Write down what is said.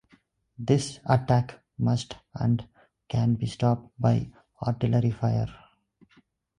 This attack must and can be stopped by artillery fire.